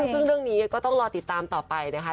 ซึ่งเรื่องนี้ก็ต้องรอติดตามต่อไปนะคะ